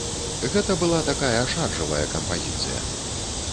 Гэта была такая шаржавая кампазіцыя.